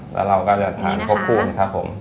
แล้วเราก็จะทานครบคู่นะครับผม